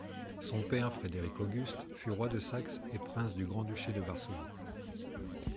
Son père, Frédéric-Auguste, fut roi de Saxe et prince du Grand Duché de Varsovie.